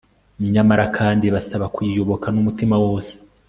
nyamara kandi ibasaba kuyiyoboka n'umutima wose